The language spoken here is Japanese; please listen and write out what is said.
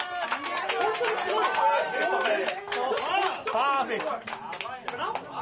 パーフェクト！